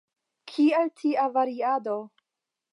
Kial tia variado?